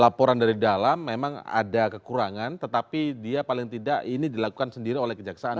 laporan dari dalam memang ada kekurangan tetapi dia paling tidak ini dilakukan sendiri oleh kejaksaan